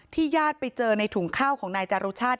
ญาติไปเจอในถุงข้าวของนายจารุชาติ